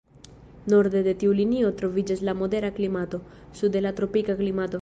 Norde de tiu linio troviĝas la modera klimato, sude la tropika klimato.